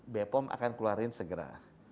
bepom akan keluarin segera